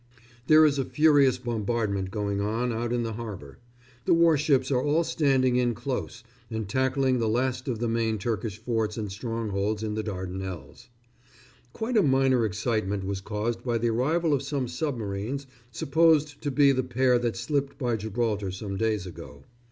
_ There is a furious bombardment going on out in the harbour. The warships are all standing in close and tackling the last of the main Turkish forts and strongholds in the Dardanelles.... Quite a minor excitement was caused by the arrival of some submarines, supposed to be the pair that slipped by Gibraltar some days ago.